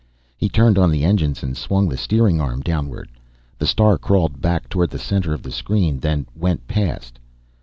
He turned on the engines and swung the steering arm downward. The star crawled toward the center of the screen, then went past.